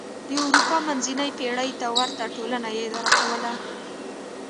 د اروپا منځنۍ پېړۍ ته ورته ټولنه یې اداره کوله.